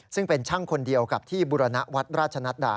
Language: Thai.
ซึ่งเป็นช่างคนเดียวกับที่บุรณวัดราชนัดดา